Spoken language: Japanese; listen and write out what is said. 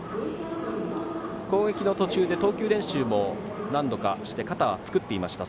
攻撃の途中で投球練習も何度かして肩を作っていました。